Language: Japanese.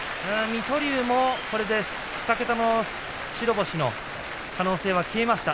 水戸龍もこれで２桁白星の可能性は消えました。